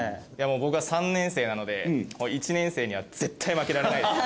僕は３年生なので１年生には絶対負けられないです。